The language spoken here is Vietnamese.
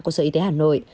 của sở y tế hà nội